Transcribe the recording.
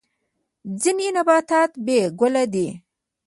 ځینې نباتات بې ګله دي